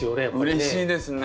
うれしいですね